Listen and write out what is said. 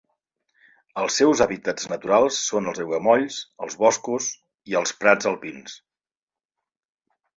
Els seus hàbitats naturals són els aiguamolls, els boscos i els prats alpins.